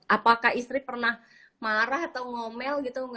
apakah istri pernah marah atau ngomel gitu